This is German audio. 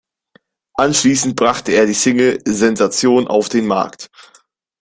Anschließend brachte er die Single "Sensation" auf den Markt.